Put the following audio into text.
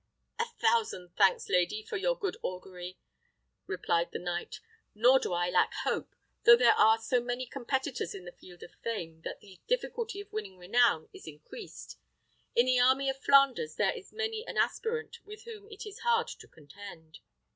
"A thousand thanks, lady, for your good augury!" replied the knight; "nor do I lack hope, though there are so many competitors in the field of fame that the difficulty of winning renown is increased. In the army of Flanders there is many an aspirant with whom it is hard to contend."